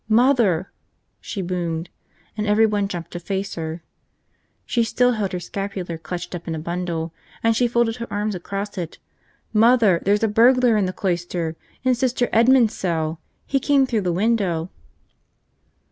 "Mother!" she boomed, and everyone jumped to face her. She still held her scapular clutched up in a bundle and she folded her arms across it. "Mother, there's a burglar in the cloister! In Sister Edmond's cell! He came through the window!"